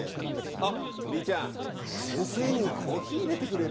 あっ鳥居ちゃん先生にコーヒーいれてくれる？